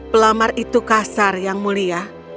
pelamar itu kasar yang mulia